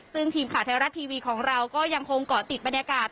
ซึ่งทีมข่าวไทยรัฐทีวีของเราก็ยังคงเกาะติดบรรยากาศ